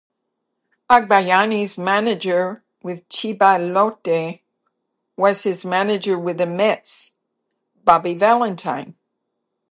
Agbayani's manager with Chiba Lotte was his manager with the Mets, Bobby Valentine.